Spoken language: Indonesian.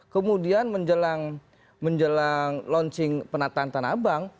kemudian menjelang launching penataan tanah abang